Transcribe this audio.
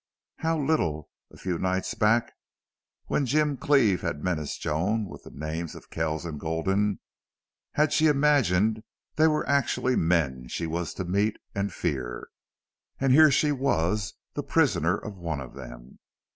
How little, a few nights back, when Jim Cleve had menaced Joan with the names of Kells and Gulden, had she imagined they were actual men she was to meet and fear! And here she was the prisoner of one of them.